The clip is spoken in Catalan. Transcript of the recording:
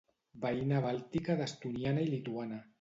Veïna bàltica d'estoniana i lituana.